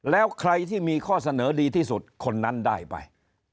แล้วใครที่มีข้อเสนอดีที่สุดคนนั้นได้ไป